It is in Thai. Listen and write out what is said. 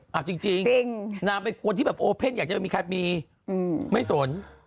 เอาจริงนางเป็นคนที่แบบโอเพ่นอยากจะมีใครมีไม่สน